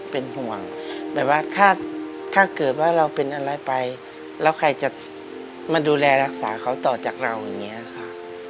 เป็นห่วงแบบว่าถ้าเกิดว่าเราเป็นอะไรไปแล้วใครจะมาดูแลรักษาเขาต่อจากเราอย่างนี้ค่ะ